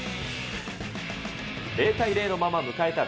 ０対０のまま迎えた